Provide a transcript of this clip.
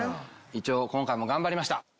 一応今回も頑張りました。